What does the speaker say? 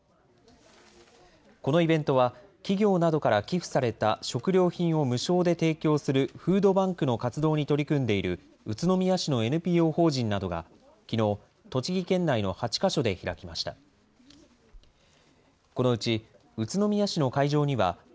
このイベントは、企業などから寄付された食料品を無償で提供するフードバンクの活動に取り組んでいる宇都宮市のＮＰＯ法人などがきのう、栃木県内の８か所で開きました。